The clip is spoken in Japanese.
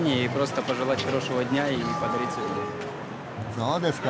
そうですか。